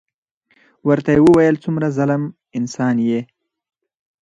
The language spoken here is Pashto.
ورته يې وويل څومره ظلم انسان يې.